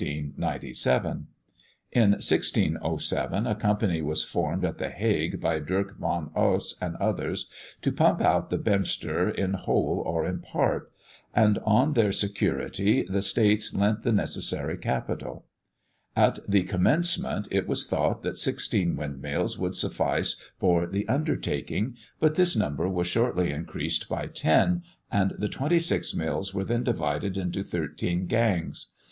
In 1607, a company was formed at the Hague, by Dirck van Oss and others, to pump out the Beemster in whole or in part; and on their security the States lent the necessary capital. At the commencement, it was thought that sixteen windmills would suffice for the undertaking; but this number was shortly increased by ten, and the twenty six mills were then divided into thirteen gangs.